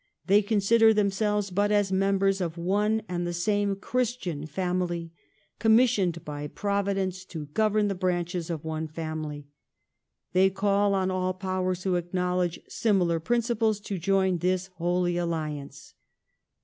They consider themselves but £is members of one and the same Christian family commissioned by Providence to govern the branches of one family. They call on all powers who acknowledge similai' principles to join this Holy Alliance."